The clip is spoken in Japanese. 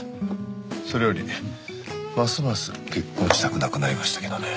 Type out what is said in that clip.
それよりますます結婚したくなくなりましたけどね。